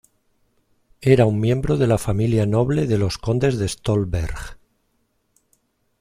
Era un miembro de la familia noble de los Condes de Stolberg.